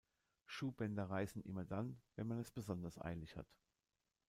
Schuhbänder reißen immer dann, wenn man es besonders eilig hat.